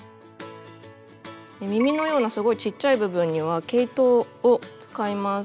耳のようなすごいちっちゃい部分には毛糸を使います。